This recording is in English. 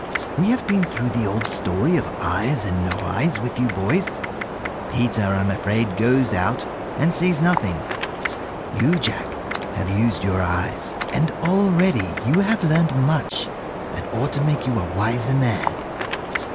We have been through the old story of 'Eyes and No Eyes' with you boys. Peter, I'm afraid, goes out and sees nothing. You, Jack, have used your eyes, and already you have learned much that ought to make you a wiser man.